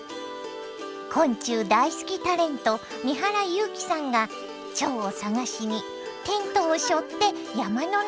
昆虫大好きタレント三原勇希さんがチョウを探しにテントをしょって山の中へ。